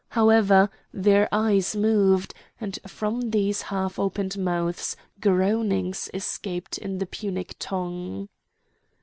However, their eyes moved, and from these half opened mouths groanings escaped in the Punic tongue.